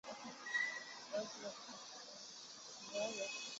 民主进步论坛是巴林的一个共产主义政党。